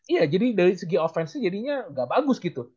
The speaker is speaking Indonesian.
iya jadi dari segi offense nya jadinya gak bagus gitu